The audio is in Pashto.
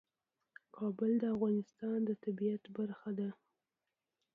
کابل د افغانستان د طبیعت برخه ده.